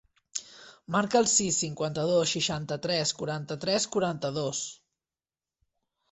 Marca el sis, cinquanta-dos, seixanta-tres, quaranta-tres, quaranta-dos.